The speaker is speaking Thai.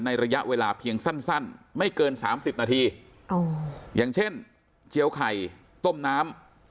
ระยะเวลาเพียงสั้นสั้นไม่เกินสามสิบนาทีอย่างเช่นเจียวไข่ต้มน้ำ